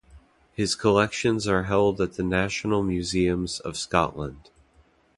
His collections are held at the National Museums of Scotland.